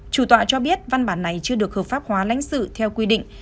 chủ tọa cho biết văn bản này chưa được hợp pháp hóa lãnh sự theo quy định